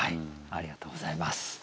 ありがとうございます。